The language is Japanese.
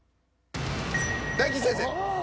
大吉先生。